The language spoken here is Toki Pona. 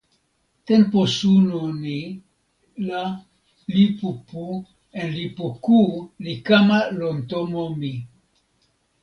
tenpo suno ni la lipu pu en lipu ku li kama lon tomo mi.